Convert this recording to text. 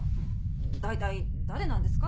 大体誰なんですか？